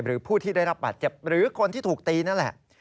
ผู้ที่ได้รับบาดเจ็บหรือคนที่ถูกตีนั่นแหละ